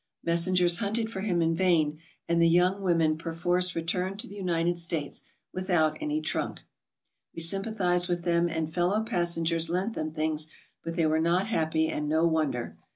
Messengers hunted •for him in vain and the young women perforce returned to the United States without any trunk. We sympathized with 0 'I SOMEWHAT FINANCIAL. 213 them and fellow passengers lent them things, but they were not happy, and no wonder.